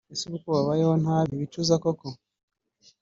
Ese ubu ko babayeho nabi ntibicuza koko